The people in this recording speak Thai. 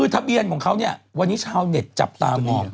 ทะเบียนข้าวันนี้ชาวเน็ตจับตามมอง